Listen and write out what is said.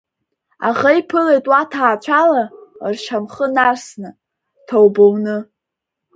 Аӷа иԥылеит уа ҭаацәала, ршьамхы нарсны, ҭоуба уны.